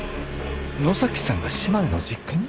野崎さんが島根の実家に？